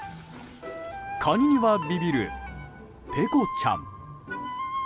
カニにはビビる、ぺこちゃん。